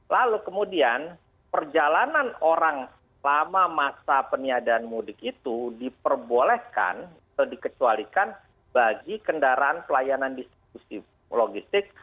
lalu kemudian perjalanan orang lama masa peniadaan mudik itu diperbolehkan atau dikecualikan bagi kendaraan pelayanan distribusi logistik